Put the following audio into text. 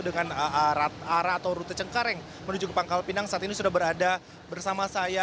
dengan arah atau rute cengkareng menuju ke pangkal pinang saat ini sudah berada bersama saya